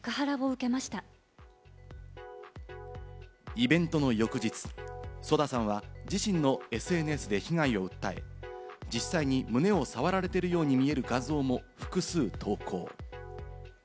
イベントの翌日、ＳＯＤＡさんは自身のＳＮＳで被害を訴え、実際に胸を触られているように見える画像も複数投稿。